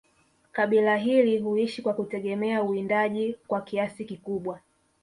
kabila hili huishi kwa kutegemea uwindaji kwa kiasi kikubwa